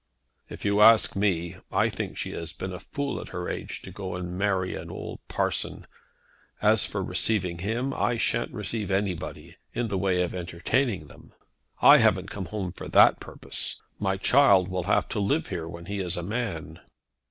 "If you ask me, I think she has been a fool at her age to go and marry an old parson. As for receiving him, I shan't receive anybody, in the way of entertaining them. I haven't come home for that purpose. My child will have to live here when he is a man."